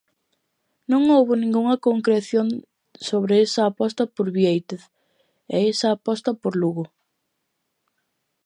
Non houbo ningunha concreción sobre esa aposta por Biéitez e esa aposta por Lugo.